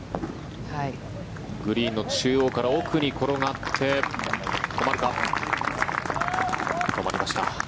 グリーンの中央から奥に転がって止まりました。